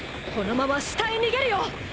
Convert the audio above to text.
このまま下へ逃げるよ！